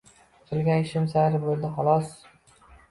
Qilgan ishim sayr bo`ldi, xolos